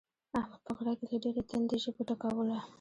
احمد په غره کې له ډېرې تندې ژبه ټکوله.